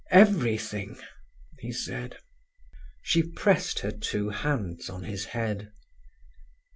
"Everything!" he said. She pressed her two hands on his head.